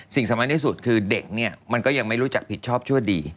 สิ่งสำคัญที่สุดคือเด็กเนี่ยมันก็ยังไม่รู้จักผิดชอบชั่วดี